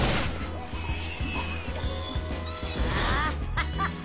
アハハハ！